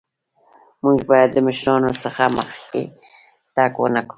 مونږ باید د مشرانو څخه مخکې تګ ونکړو.